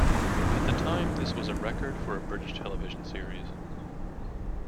At the time this was a record for a British television series.